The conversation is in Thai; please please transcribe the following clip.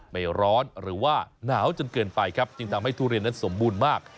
ไม่ร้อนหรือว่าหนาวจนเกินไปครับจึงทำให้ทุเรียนนั้นสมบูรณ์มาก